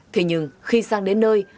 thế nhưng khi sang đến nơi